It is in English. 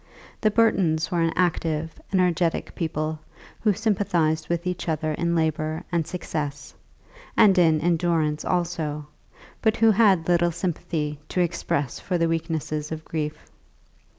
The Burtons were an active, energetic people who sympathized with each other in labour and success, and in endurance also; but who had little sympathy to express for the weaknesses of grief.